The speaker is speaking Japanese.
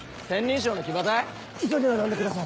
急いで並んでください。